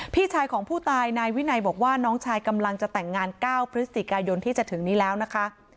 พี่ชายของผู้ตายนายวินัยบอกว่าน้องชายกำลังจะแต่งงาน๙พฤศจิกายนที่จะถึงนี้แล้วนะคะ